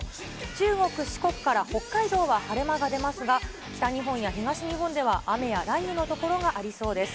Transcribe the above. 中国、四国から北海道は晴れ間が出ますが、北日本や東日本では雨や雷雨の所がありそうです。